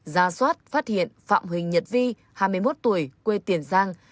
ra soát phát hiện phạm huỳnh nhật vi hai mươi một tuổi quê tiền giang